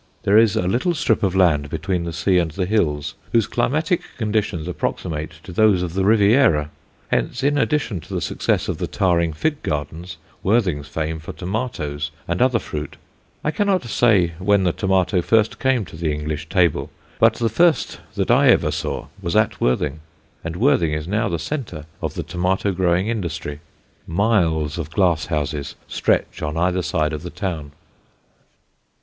There is a little strip of land between the sea and the hills whose climatic conditions approximate to those of the Riviera: hence, in addition to the success of the Tarring fig gardens, Worthing's fame for tomatoes and other fruit. I cannot say when the tomato first came to the English table, but the first that I ever saw was at Worthing, and Worthing is now the centre of the tomato growing industry. Miles of glass houses stretch on either side of the town.